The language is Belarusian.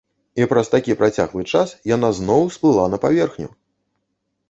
І праз такі працяглы час яна зноў усплыла на паверхню!